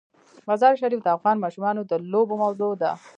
مزارشریف د افغان ماشومانو د لوبو موضوع ده.